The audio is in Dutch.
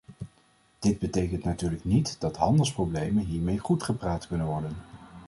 Dit betekent natuurlijk niet dat handelsproblemen hiermee goedgepraat kunnen worden.